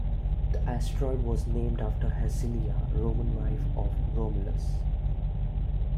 The asteroid was named after Hersilia, Roman wife of Romulus.